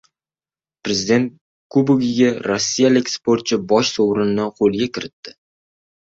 Prezident kubogida rossiyalik sportchi bosh sovrinni qo‘lga kiritdi